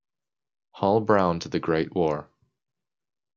Hall Brown to the great war.